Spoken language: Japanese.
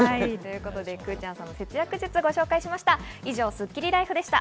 くぅちゃんさんの節約術をご紹介しました。